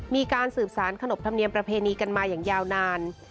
มีการสืบสารขนบธรรมเนียมประเพณีกันมาอย่างยาวนาน